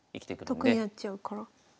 得になっちゃうから。